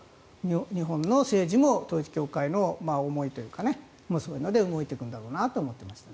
日本の政治も統一教会の思いとかそういうので動いていくんだろうなと思っていました。